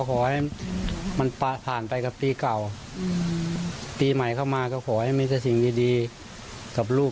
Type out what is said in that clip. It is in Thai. ขอให้มันผ่านไปกับปีเก่าปีใหม่เข้ามาก็ขอให้มีแต่สิ่งดีกับลูก